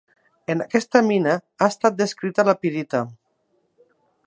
En aquesta mina ha estat descrita la pirita.